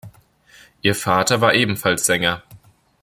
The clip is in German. Ihr Vater war ebenfalls Sänger.